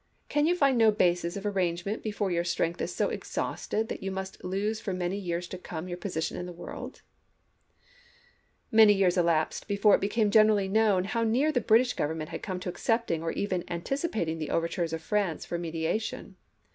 .. Can you find no basis of arrangement before your strength is so exhausted that you must lose for many years to come your position in the world I "■ Many years elapsed before it became generally known how near the British Government had come to accepting or even anticipating the overtures of France for mediation.